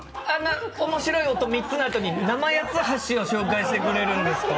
面白い音３つのあとに生八つ橋を紹介してくれるんですか？